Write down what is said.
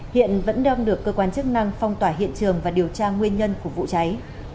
hiện vẫn đang được cơ quan chức năng phong tỏa hiện trường và điều tra nguyên nhân của vụ cháy